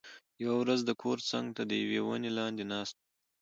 یوه ورځ د کور څنګ ته د یوې ونې لاندې ناست و،